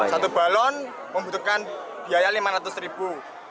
satu balon membutuhkan biaya lima ratus ribu